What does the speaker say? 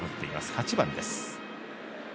８番です。